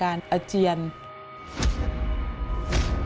พ่อลูกรู้สึกปวดหัวมาก